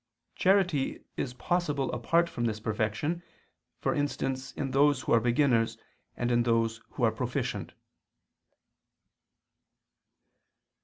Charity is possible apart from this perfection, for instance in those who are beginners and in those who are proficient.